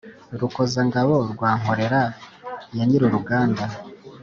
rukoza-ngabo rwa nkorera ya nyir-uruganda,